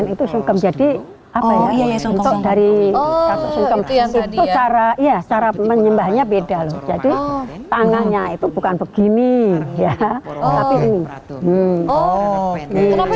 ini oh itu cara cara menyembahnya beda loh jadi tangannya itu bukan begini ya oh kenapa